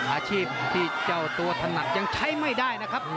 อาชีพที่เจ้าตัวถนัดยังใช้ไม่ได้นะครับ